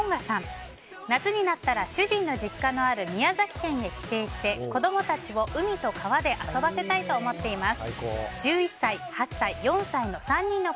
夏になったら主人の実家のある宮崎県に帰省して子供たちを海と川で遊ばせたいと思っています。